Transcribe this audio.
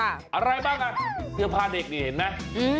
อะไรบ้างอ่ะเสื้อผ้าเด็กนี่เห็นไหม